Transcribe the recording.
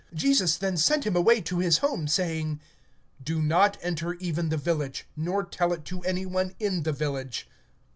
(26)And he sent him away to his house, saying: Go not even into the village, nor tell it to any in the village.